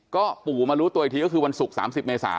ก็ปู่มารู้ตัวอีกทีก็คือวันศุกร์๓๐เมษา